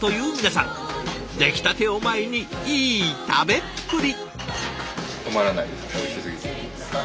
出来たてを前にいい食べっぷり！